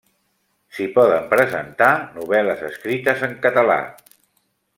S'hi poden presentar novel·les escrites en català.